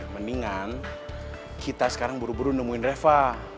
mendingan kita sekarang buru buru nemuin reva